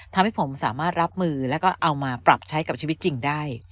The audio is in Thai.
ทำให้ผมสามารถรับมือแล้วก็เอามาปรับใช้กับชีวิตจริงได้